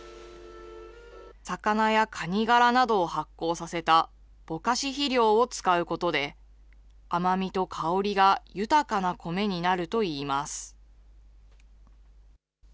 魚やカニ殻などを発酵させたボカシ肥料を使うことで、甘みと香りが豊かな米になるといいます。